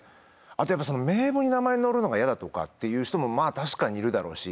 あとやっぱその名簿に名前載るのが嫌だとかっていう人もまあ確かにいるだろうし。